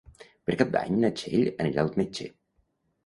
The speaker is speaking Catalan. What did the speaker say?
Per Cap d'Any na Txell anirà al metge.